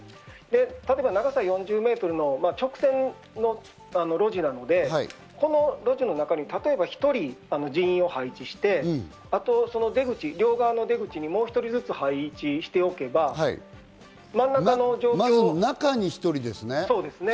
例えば長さ４０メートルの直線の路地なのでこの路地の中に例えば１人、人員を配置して、両側の出口にもう１人ずつ配置しておけば真ん中の状況ですね。